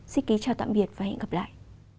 xin kính chào tạm biệt và hẹn gặp lại